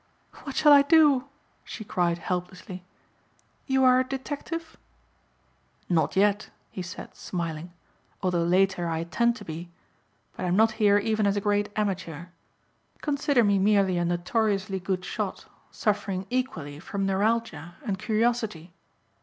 "What shall I do?" she cried helplessly. "You are a detective?" "Not yet," he said smiling, "although later I intend to be. But I'm not here even as a great amateur. Consider me merely a notoriously good shot suffering equally from neuralgia and curiosity.